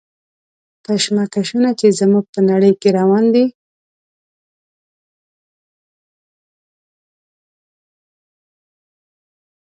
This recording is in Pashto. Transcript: کشمکشونه چې زموږ په نړۍ کې روان دي.